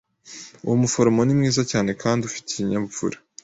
Uwo muforomo ni mwiza cyane kandi ufite ikinyabupfura.